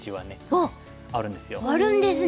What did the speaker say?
あるんですね。